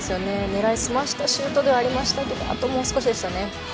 狙い澄ましたシュートではありましたけどあともう少しでしたね。